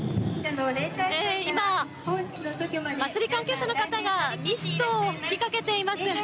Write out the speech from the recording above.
今、祭り関係者の方がミストを吹きかけています。